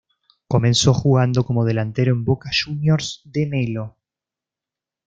Comenzó jugando como delantero en Boca Juniors de Melo.